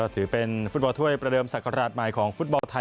ถือเป็นฟุตบอลถ้วยประเดิมศักราชใหม่ของฟุตบอลไทย